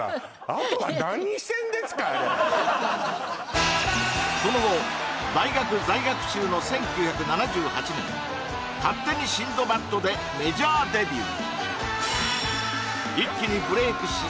あれその後大学在学中の１９７８年「勝手にシンドバッド」でメジャーデビュー